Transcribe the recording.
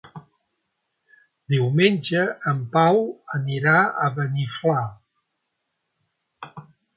Diumenge en Pau anirà a Beniflà.